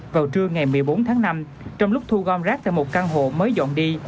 vào trưa ngày một mươi bốn tháng năm trong lúc thu gom rác tại một căn hộ mới dọn đi